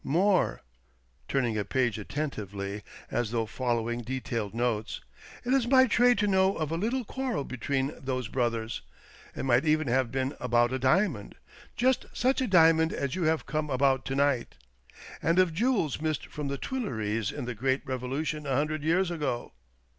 More " (turning a page attentively, as though following detailed notes), "it is my trade to know of a little quarrel between those brothers — it might even have been about a diamond, just such a diamond as you have come about to night — and of jewels missed from the Tuileries in the great Revolution a hundred years ago."